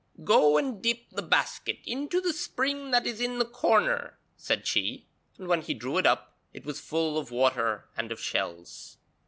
'Go and dip the basket into the spring that is in the corner,' said she, and when he drew it up it was full of water and of shells.